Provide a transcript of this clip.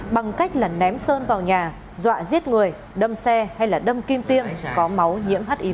bằng cách là ném sơn vào nhà dọa giết người đâm xe hay là đâm kim tiêm có máu nhiễm hiv